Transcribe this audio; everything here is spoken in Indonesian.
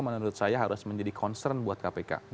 menurut saya harus menjadi concern buat kpk